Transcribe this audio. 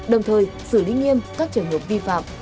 đồng thời xử lý nghiêm các trường hợp vi phạm